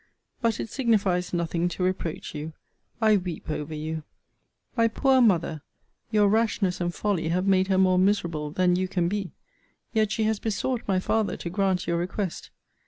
But it signifies nothing to reproach you. I weep over you. My poor mother! Your rashness and folly have made her more miserable than you can be. Yet she has besought my father to grant your request.